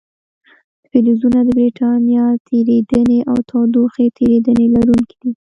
فلزونه د برېښنا تیریدنې او تودوخې تیریدنې لرونکي دي.